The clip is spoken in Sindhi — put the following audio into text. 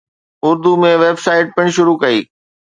اردو ۾ ويب سائيٽ پڻ شروع ڪئي.